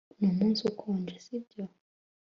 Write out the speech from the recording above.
Numunsi ukonje sibyo